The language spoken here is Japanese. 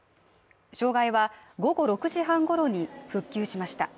障害は午後６時半ごろに復旧しました。